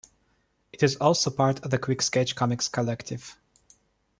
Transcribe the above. It is also part of the Quicksketch Comics collective.